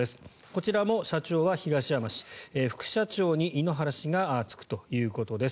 こちらも社長は東山氏副社長に井ノ原氏が就くということです。